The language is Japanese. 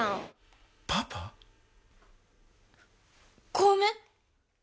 小梅？